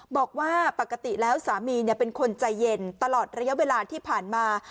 บอกว่าปกติแล้วสามีเป็นคนใจเย็นตลอดระยะเวลาที่ผ่านมา